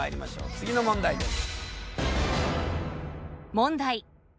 次の問題です。